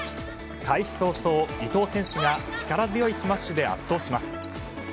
開始早々、伊藤選手が力強いスマッシュで圧倒します。